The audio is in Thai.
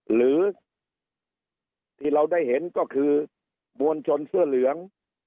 หรือที่เราได้เห็นก็คือมวลชนเสื้อเหลือง